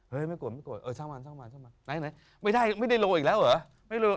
เฮ้ยไม่โกรธไม่โกรธเออช่างมาไหนไม่ได้ไม่ได้โรคอีกแล้วเหรอ